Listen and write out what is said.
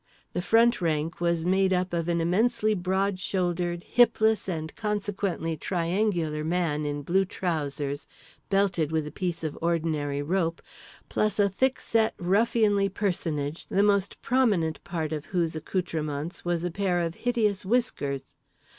The front rank was made up of an immensely broad shouldered hipless and consequently triangular man in blue trousers belted with a piece of ordinary rope, plus a thick set ruffianly personage the most prominent part of whose accoutrements were a pair of hideous whiskers.